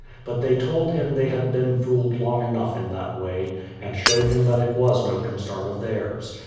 But they told him they had been fooled long enough in that way, and showed him that it was no concern of theirs.